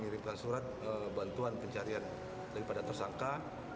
mengirimkan surat bantuan pencarian daripada tersangka